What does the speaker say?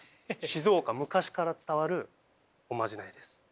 静岡昔から伝わるおまじないです。